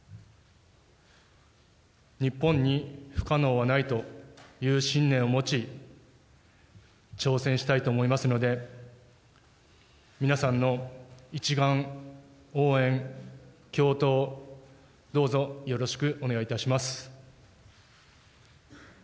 日本に不可能はないという信念を持ち、挑戦したいと思いますので、皆さんの一丸、応援、共闘、どうぞよろしくお願いいたします。